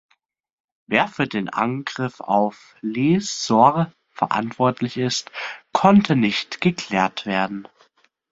Wer für den Angriff auf "Le Soir" verantwortlich ist, konnte nicht geklärt werden.